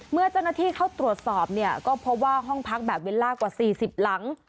เมื่อเจ้าหน้าที่เข้าตรวจสอบเนี่ยก็พบว่าห้องพักแบบเบลล่ากว่า๔๐หลัง